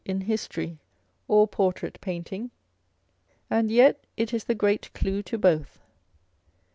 in history or portrait painting, and yet it is the great clue to both.